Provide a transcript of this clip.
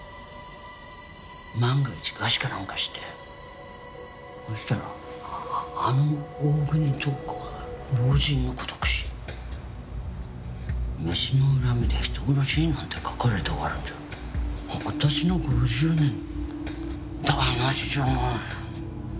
万が一餓死かなんかしてそしたら「あの大國塔子が老人の孤独死」「飯の恨みで人殺し」なんて書かれて終わるんじゃ私の５０年台無しじゃない。